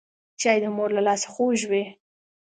چای د مور له لاسه خوږ وي